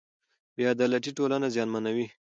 بې عدالتي ټولنه زیانمنوي.